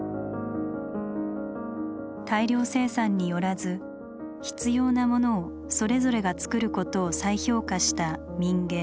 大量生産によらず必要なものをそれぞれが作ることを再評価した「民藝」。